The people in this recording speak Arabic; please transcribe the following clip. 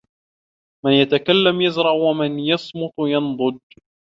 من يتكلم يزرع ومن يصمت ينضج.